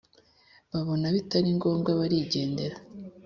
Babona bitaringombwa barigendera